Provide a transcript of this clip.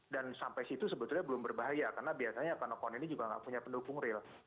dan sampai situ sebetulnya belum berbahaya karena biasanya akun akun ini juga nggak punya pendukung real